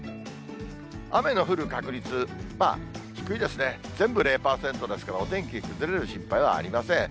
雨の降る確率、低いですね、全部０％ですから、お天気崩れる心配はありません。